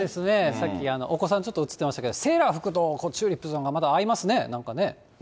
さっき、お子さん、ちょっと映ってましたけど、セーラー服とチューリップとか合いますね、なんかね。